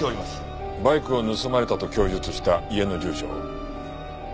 バイクを盗まれたと供述した家の住所を。